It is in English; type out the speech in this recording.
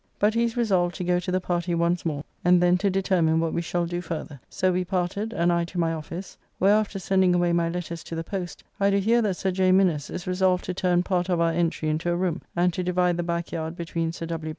But he is resolved to go to the party once more, and then to determine what we shall do further. So we parted, and I to my office, where after sending away my letters to the post I do hear that Sir J. Minnes is resolved to turn part of our entry into a room and to divide the back yard between Sir W.